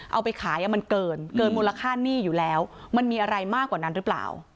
เอาไปขายมันเกินเกินมูลค่าหนี้อยู่แล้วมันมีอะไรมากกว่านั้นหรือเปล่า